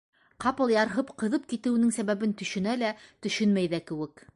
Ҡапыл ярһып, ҡыҙып китеүенең сәбәбен төшөнә лә, төшөнмәй ҙә кеүек.